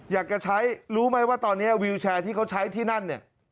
อยากจะใช้รู้ไหมว่าตอนนี้วิวแชร์ที่เขาใช้ที่นั่นเนี่ย